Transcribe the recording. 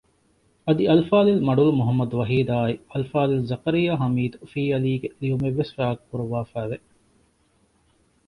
އަދި އަލްފާޟިލް މަޑުލު މުޙައްމަދު ވަޙީދާއި އަލްފާޟިލް ޒަކަރިއްޔާ ހަމީދު ފީއަލީ ގެ ލިޔުއްވުމެއް ވެސް ޝާއިއުކުރެވިފައި ވެ